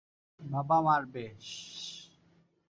বাবা মারবে, শশশশ্।